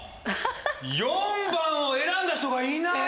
４番を選んだ人がいない！